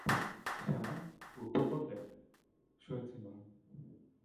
শ্যামা উত্তর করলে, শুয়েছিলুম।